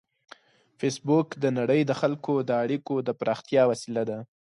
فېسبوک د نړۍ د خلکو د اړیکو د پراختیا وسیله ده